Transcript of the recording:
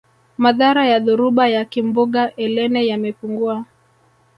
madhara ya dhoruba ya kimbunga elene yamepungua